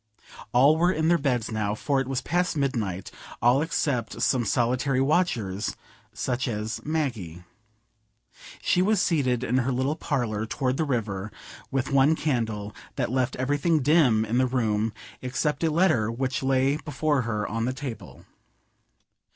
All were in their beds now, for it was past midnight; all except some solitary watchers such as Maggie. She was seated in her little parlour toward the river, with one candle, that left everything dim in the room except a letter which lay before her on the table.